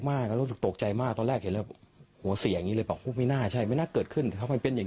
พอมาเห็นเป็นพระรูปนี้รู้สึกเสียใจไหมพอมาเห็นเป็นพระรูปนี้รู้สึกเสียใจไหม